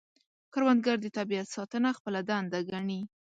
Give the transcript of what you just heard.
کروندګر د طبیعت ساتنه خپله دنده ګڼي